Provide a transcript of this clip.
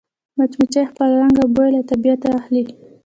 مچمچۍ خپل رنګ او بوی له طبیعته اخلي